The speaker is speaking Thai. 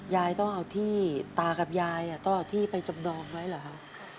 ยายต้องเอาที่ตากับยายต้องเอาที่ไปจำนองไว้เหรอคะ